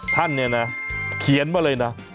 ท่านเนี่ยนะเขียนมาเลยนะ